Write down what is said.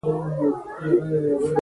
دوکانونه خلاص وو.